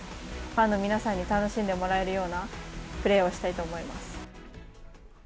ファンの皆さんに楽しんでもらえるようなプレーをしたいと思います。